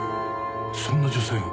そんな女性が。